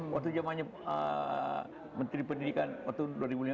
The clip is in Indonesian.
waktu jamannya menteri pendidikan waktu dua ribu lima belas